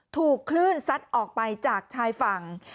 ถูกคลื่นซัดออกไปจากชายฝั่ง